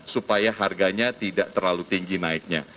supaya harganya tidak terlalu tinggi naiknya